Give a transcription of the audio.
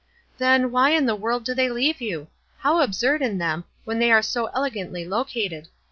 "Then, why in the world do they leave you? How absurd in them, when they are so elegant ly located